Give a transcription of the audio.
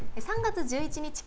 ３月１１日